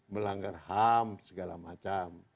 melanggar ham segala macam